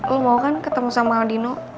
lo mau kan ketemu sama aldino